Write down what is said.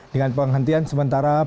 dengan penghentian sementara